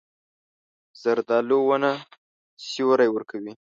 زردالو ونه سیوری ورکوي.